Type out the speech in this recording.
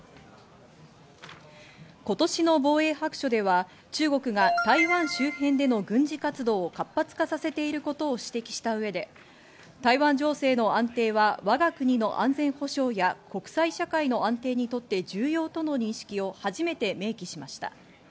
今年の防衛白書では中国が台湾周辺での軍事活動を活発化させていることを指摘した上で、台湾情勢の安定は我が国の安全保障や国際社会の安定にとって重要との認識を初めて明記しました。